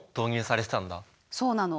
そうなの。